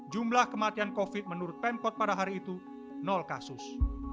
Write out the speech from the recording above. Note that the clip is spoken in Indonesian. jumlah kematian covid menurut pemkot pada hari itu kasus